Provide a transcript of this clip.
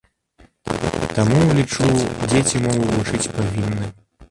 Таму, лічу, дзеці мову вучыць павінны.